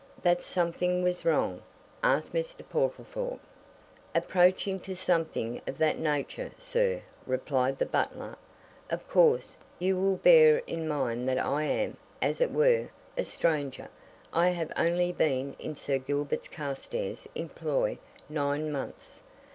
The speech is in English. "That something was wrong?" asked Mr. Portlethorpe. "Approaching to something of that nature, sir," replied the butler. "Of course, you will bear in mind that I am, as it were, a stranger I have only been in Sir Gilbert's Carstairs' employ nine months.